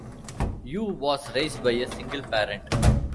Yoo was raised by a single parent.